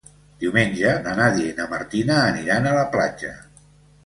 Diumenge na Nàdia i na Martina aniran a la platja.